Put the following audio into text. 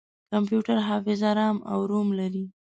کمپیوټر حافظه رام او روم لري.